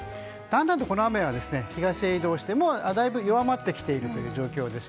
だんだんとこの雨は東に移動して弱まってきている状況です。